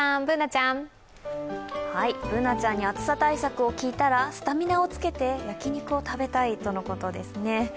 Ｂｏｏｎａちゃんに暑さ対策を聞いたら、スタミナをつけて焼き肉を食べたいとのことです